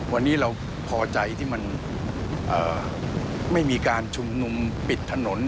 วันนี้เราพอใจที่มันไม่มีการชุมนุมปิดถนน